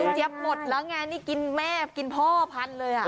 เจี๊ยบหมดแล้วไงนี่กินแม่กินพ่อพันเลยอ่ะ